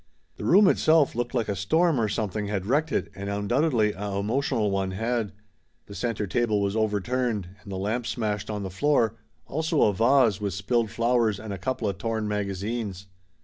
The room itself looked like a storm or something had wrecked it and undoubtedly a emotional one had. The center table was overturned and the lamp smashed on the floor, also a vase with spilled flowers and a coupla torn magazines.